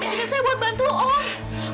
injilin saya buat bantu om